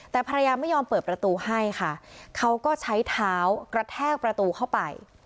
แต่ภรรยาไม่ยอมเปิดประตูให้ค่ะเขาก็ใช้เท้ากระแทกประตูเข้าไป